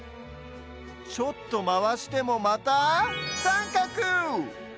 ちょっとまわしてもまたさんかく！